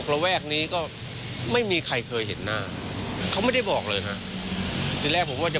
แต่ว่าท้ายที่สุดคลิปนี้ก็ถูกเผยแพร่ออกมา